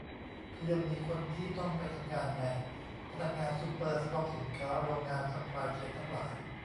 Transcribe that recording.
คือยังมีคนที่ต้องไปทำงานไง พนักงานซูเปอร์ สต็อกสินค้า โรงงาน ซัพพลายเชนทั้งหลาย